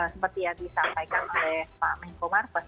seperti yang disampaikan oleh pak menko marves